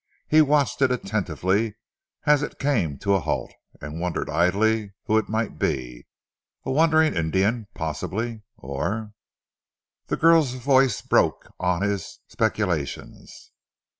He watched it attentively as it came to a halt, and wondered idly who it might be. A wandering Indian possibly, or The girl's voice broke on his speculations.